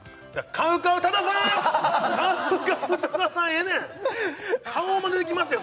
ＣＯＷＣＯＷ多田さんええねん顔まねできましたよ